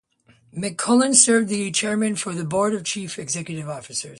McCulloch served as Chairman of the Board and Chief Executive Officer.